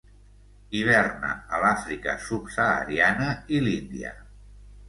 Hiverna a l'Àfrica subsahariana i l'Índia.